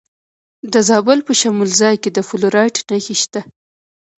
د زابل په شمولزای کې د فلورایټ نښې شته.